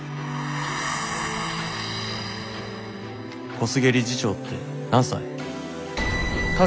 「小菅理事長って何歳？」。